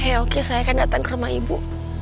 ya oke saya akan datang ke rumah ibu